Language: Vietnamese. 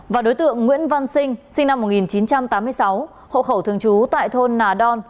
và đối tượng nguyễn văn sinh sinh năm một nghìn chín trăm tám mươi sáu hộ khẩu thường trú tại thôn nà đon